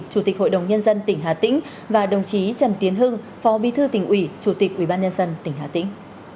chủ tịch hội đồng nhân dân tỉnh hà tĩnh và đồng chí trần tiến hưng phó bí thư tỉnh ủy chủ tịch ủy ban nhân dân tỉnh hà tĩnh